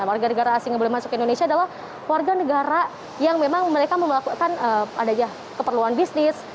warga negara asing yang boleh masuk ke indonesia adalah warga negara yang memang mereka melakukan adanya keperluan bisnis